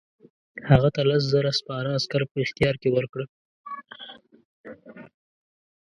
هغه ته لس زره سپاره عسکر په اختیار کې ورکړل.